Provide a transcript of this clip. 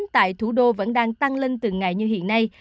tại thủ đô vẫn đang tăng lên từng ngày như hiện nay